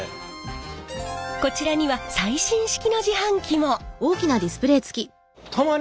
こちらには最新式の自販機も！